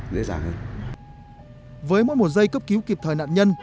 với mỗi một giây cấp cứu kịp thời nạn nhân